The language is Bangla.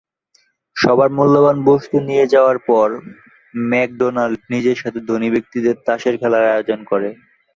সবার মূল্যবান বস্তু নিয়ে যাওয়ার পর ম্যাকডোনাল্ড নিজের সাথে ধনী ব্যক্তিদের তাসের খেলার আয়োজন করে।